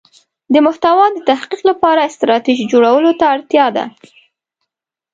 د محتوا د تحقق لپاره ستراتیژی جوړولو ته اړتیا ده.